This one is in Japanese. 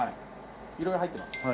色々入っています。